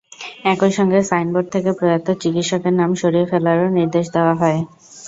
একই সঙ্গে সাইনবোর্ড থেকে প্রয়াত চিকিৎসকের নাম সরিয়ে ফেলারও নির্দেশ দেওয়া হয়।